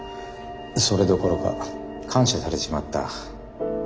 それどころか感謝されちまった。